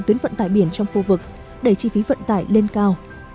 tuyến vận tải biển trong khu vực đẩy chi phí vận tải lên cao